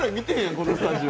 このスタジオ。